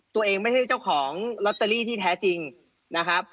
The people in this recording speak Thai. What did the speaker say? ตัวเองไม่ใช่เจ้าของลอตเตอรี่ที่แท้จริงนะครับ